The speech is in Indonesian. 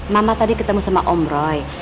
mama tadi ketemu sama om roy